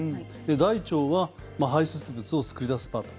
大腸は排せつ物を作り出す場と。